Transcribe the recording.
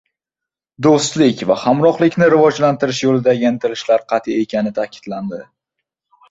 Do‘stlik va hamkorlikni rivojlantirish yo‘lidagi intilishlar qat’iy ekani ta’kidlandi